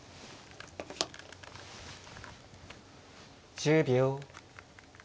１０秒。